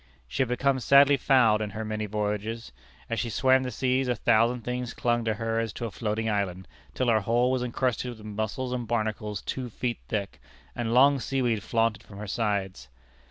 She had become sadly fouled in her many voyages. As she swam the seas, a thousand things clung to her as to a floating island, till her hull was encrusted with mussels and barnacles two feet thick, and long seaweed flaunted from her sides.